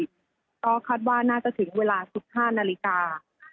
ก็คาดว่าน่าจะถึงเวลา๑๕นาฬิกา